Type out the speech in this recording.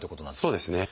そうですね。